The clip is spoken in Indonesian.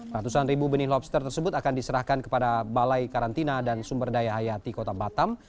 ratusan ribu benih lobster tersebut akan diserahkan kepada balai karantina dan sumber daya hayati kota batam